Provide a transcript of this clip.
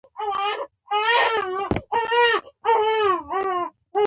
سړی یې یوازې ټایپي بللای نه شي.